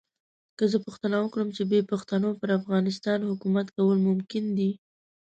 که زه پوښتنه وکړم چې بې پښتنو پر افغانستان حکومت کول ممکن دي.